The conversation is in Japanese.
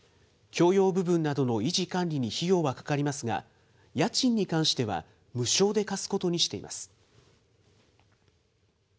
共用部分などの維持管理に費用はかかりますが、家賃に関しては無償で貸すことにしています。